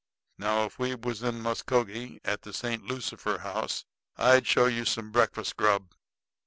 Now, if we was in Muskogee at the St. Lucifer House, I'd show you some breakfast grub.